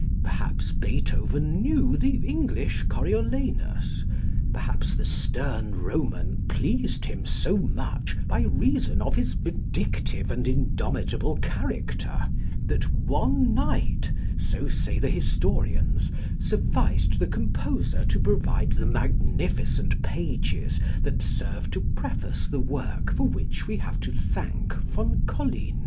Perhaps Beethoven knew the English Coriolanus; perhaps the stern Roman pleased him so much by reason of his vindictive and indomitable character that one night, so say the historians, sufficed the composer to provide the magnificent pages that serve to preface the work for which we have to thank von Collin.